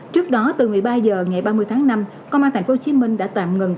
trước đó từ một mươi ba h ngày ba mươi tháng năm công an thành phố hồ chí minh đã tạm ngưng